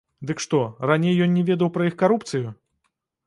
Дык што, раней ён не ведаў пра іх карупцыю?